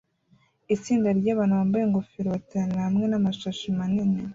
Itsinda ryabantu bambaye ingofero bateranira hamwe namashashi manini